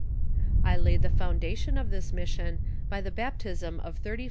77 /■ Si I laid tho foundation of this mission by the baptism of thirt)'H.